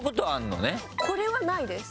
これはないです。